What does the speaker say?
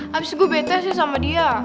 habis itu gue bete sih sama dia